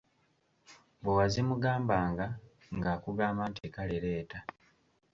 Bwe wazimugambanga ng'akugamba nti: "Kale leeta.